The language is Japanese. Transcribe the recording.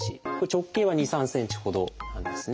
直径は２３ｃｍほどなんですね。